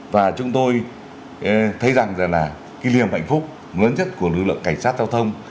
và chúng tôi thấy rằng là kỷ niệm hạnh phúc lớn nhất của lực lượng cảnh sát giao thông